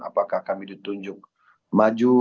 apakah kami ditunjuk maju